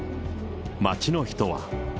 街の人は。